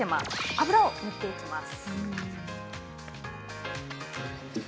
油を塗っていきます。